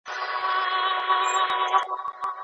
انټرنیټ خلکو ته د معلوماتو لټون اسانه کړی دی.